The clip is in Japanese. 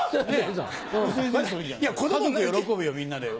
家族喜ぶよみんなで。